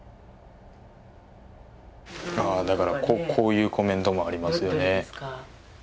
だからこういうコメントもありますよね。